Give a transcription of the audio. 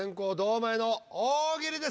前の大喜利です。